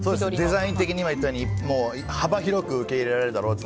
デザイン的に、今言ったように幅広く受け入れられるだろうと。